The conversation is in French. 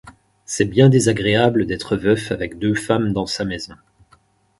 C’est bien désagréable d’être veuf avec deux femmes dans sa maison.